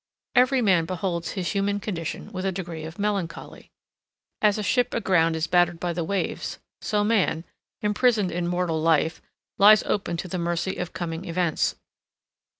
Every man beholds his human condition with a degree of melancholy. As a ship aground is battered by the waves, so man, imprisoned in mortal life, lies open to the mercy of coming events.